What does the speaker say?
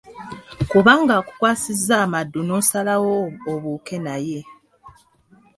Kubanga akukwasizza amaddu n’osalawo obuuke naye.